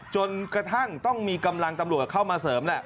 จนกระทั่งต้องมีกำลังตำรวจเข้ามาเสริมแหละ